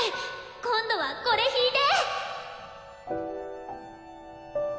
今度はこれ弾いて！